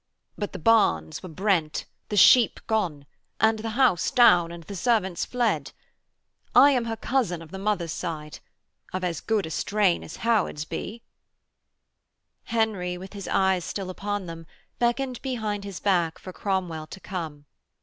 But the barns were brent, the sheep gone, and the house down and the servants fled. I am her cousin of the mother's side. Of as good a strain as Howards be.' Henry, with his eyes still upon them, beckoned behind his back for Cromwell to come.